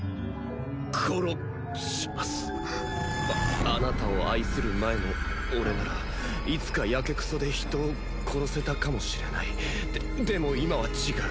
殺しますああなたを愛する前の俺ならいつかやけくそで人を殺せたかもしれないででも今は違う